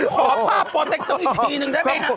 ขอภาพปตกช์อีกทีหนึ่งได้ไหน